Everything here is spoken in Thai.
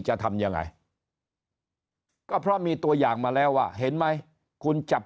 จะทำยังไงก็เพราะมีตัวอย่างมาแล้วว่าเห็นไหมคุณจับ